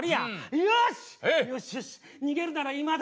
よしよし逃げるなら今だ！